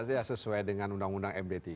ya sesuai dengan undang undang md tiga